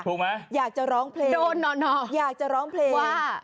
ถูกไหมโดนหน่ออยากจะร้องเพลง